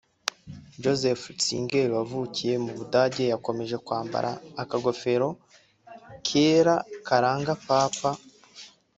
Joseph Ratzinger wavukiye mu Budage yakomeje kwambara akagofero kera karanga Paapa